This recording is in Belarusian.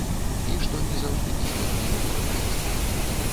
І што не заўжды пісьменныя ў яго тэксты.